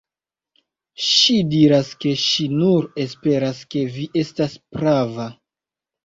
Ŝi diras, ke ŝi nur esperas, ke vi estas prava.